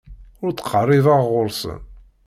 Ur ttqerribeɣ ɣer-sen.